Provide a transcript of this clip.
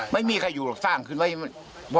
ไม่มีเหรอครับ